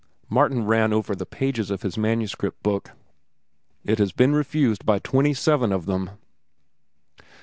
Martin ran over the pages of his manuscript book. "It has been refused by twenty seven of them."